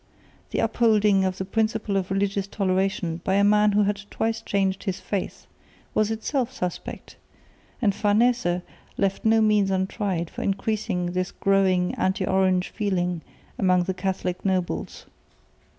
The upholding of the principle of religious toleration by a man who had twice changed his faith was itself suspect; and Farnese left no means untried for increasing this growing anti Orange feeling among the Catholic nobles.